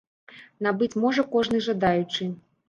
Набыць можа кожны жадаючы.